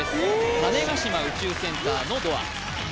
種子島宇宙センターのドア